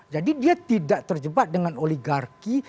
jadi dia tidak terjebak dengan oligarki